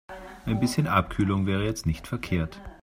Ein bisschen Abkühlung wäre jetzt nicht verkehrt.